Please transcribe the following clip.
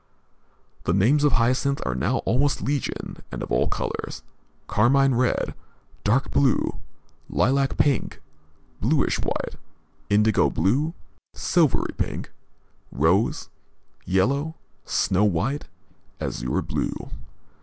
The names of hyacinths are now almost legion, and of all colors, carmine red, dark blue, lilac pink, bluish white, indigo blue, silvery pink, rose, yellow, snow white, azure blue.